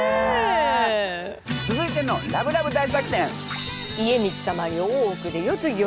続いてのラブラブ大作戦。